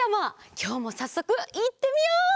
きょうもさっそくいってみよう！